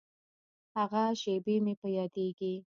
هغه شېبې مې په یادیږي.